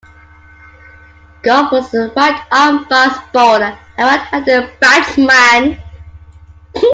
Gough was a right arm fast bowler and right-handed batsman.